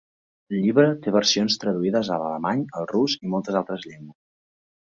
El llibre té versions traduïdes a l'alemany, al rus, i moltes altres llengües.